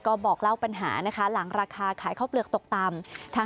ก็บอกเล่าปัญหานะคะหลังราคาขายข้าวเปลือกตกต่ำ